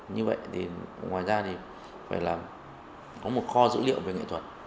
như vậy thì ngoài ra thì phải là có một kho dữ liệu về nghệ thuật